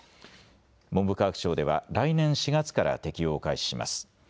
文部科学省では来年４月から適用を開始します。